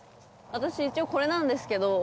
私一応これなんですけど。